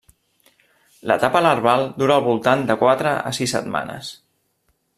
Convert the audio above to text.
L'etapa larval dura al voltant de quatre a sis setmanes.